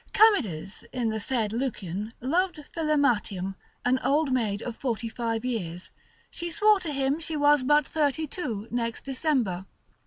Carmides in the said Lucian loved Philematium, an old maid of forty five years; she swore to him she was but thirty two next December.